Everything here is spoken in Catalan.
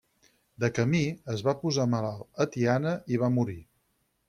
De camí, es va posar malalt a Tiana i va morir.